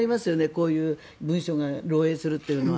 こういう文書が漏えいするというのは。